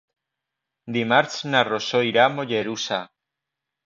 Dimarts na Rosó irà a Mollerussa.